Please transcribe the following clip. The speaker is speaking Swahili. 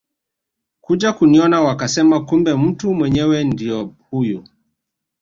kuja kuniona wakasema kumbe mtu mwenyewe ndio huyu